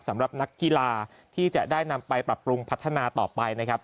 สำหรับนักกีฬาที่จะได้นำไปปรับปรุงพัฒนาต่อไปนะครับ